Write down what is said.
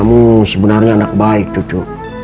kamu sebenarnya anak baik cucu